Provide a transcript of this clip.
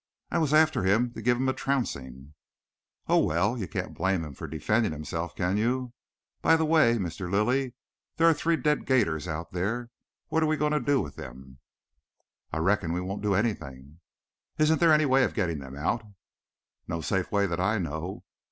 "I was after him to give him a trouncing." "Oh, well, you can't blame him for defending himself, can you? By the way, Mr. Lilly, there are three dead 'gators out there. What are we going to do with them?" "I reckon we won't do anything." "Isn't there any way of getting them out?" "No safe way that I know.